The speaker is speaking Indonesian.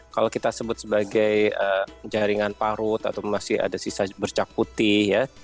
kalau kita sebut sebagai jaringan parut atau masih ada sisa bercak putih ya